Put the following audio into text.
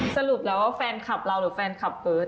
สรุปแล้วว่าแฟนคลับเราหรือแฟนคลับเฟิร์ส